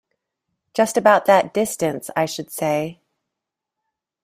Just about that distance, I should say.